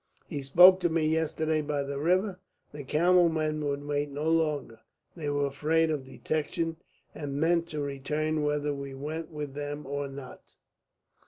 He spoke to me yesterday by the river. The camel men would wait no longer. They were afraid of detection, and meant to return whether we went with them or not."